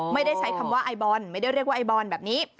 ไม่ได้ใช้คำว่าไอบอลไม่ได้เรียกว่าไอบอลแบบนี้